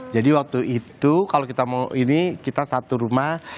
waktu itu kalau kita mau ini kita satu rumah